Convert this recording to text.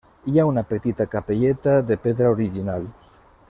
Hi ha una petita capelleta de pedra original.